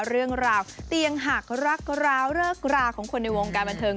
เรื่องราวเตียงหักรักร้าวเลิกราของคนในวงการบันเทิง